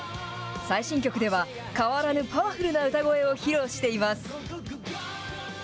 最新曲では、変わらぬパワフルな歌声を披露しています。